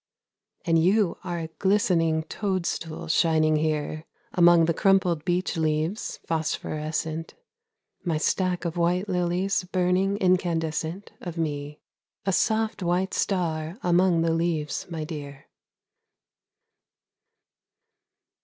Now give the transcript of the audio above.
And you are a glistening toadstool shining here Among the crumpled beech leaves phosphorescent, My stack of white lilies burning incandescent Of me, a soft white star among the leaves, my dear.